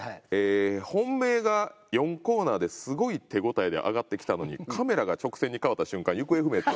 本命が４コーナーですごい手応えで上がってきたのにカメラが直線に変わった瞬間行方不明となる。